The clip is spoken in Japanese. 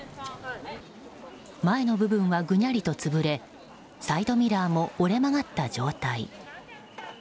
前の部分はぐにゃりと潰れサイドミラーも折れ曲がった状態。